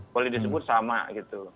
boleh disebut sama gitu